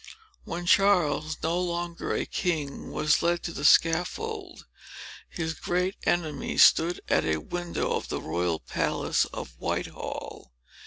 When Charles, no longer a king, was led to the scaffold, his great enemy stood at a window of the royal palace of Whitehall.